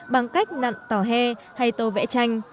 bằng cách nặn tỏ he hay tô vẽ tranh